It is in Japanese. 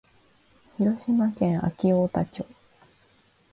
広島県安芸太田町